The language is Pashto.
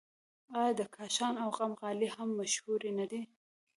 آیا د کاشان او قم غالۍ هم مشهورې نه دي؟